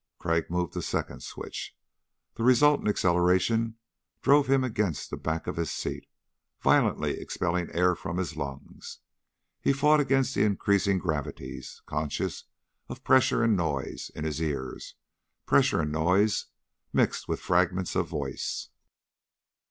Crag moved a second switch. The resultant acceleration drove him against the back of his seat, violently expelling the air from his lungs. He fought against the increasing gravities, conscious of pressure and noise in his ears; pressure and noise mixed with fragments of voice.